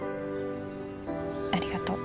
ありがとう。